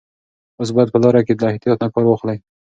تاسو باید په لاره کې له احتیاط نه کار واخلئ.